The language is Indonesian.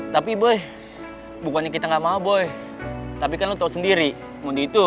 tapi boy bukannya kita gak mau boy tapi kan lo tau sendiri mondi itu